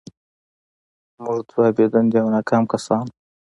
موږ دوه بې دندې او ناکام کسان وو